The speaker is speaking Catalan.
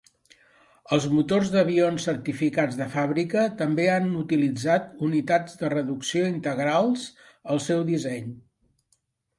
Els motors d'avions certificats de fàbrica també han utilitzat unitats de reducció integrals al seu disseny.